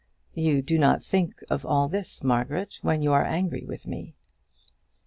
You do not think of all this, Margaret, when you are angry with me."